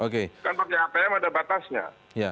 kan pakai apm ada batasnya